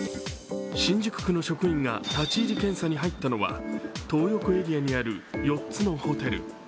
新宿区の職員が立ち入り検査に入ったのはトー横エリアにある４つのホテル。